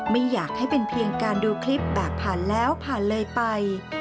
ไม่อยากให้เป็นเพียงการดูคลิปแบบผ่านแล้วผ่านเลยไป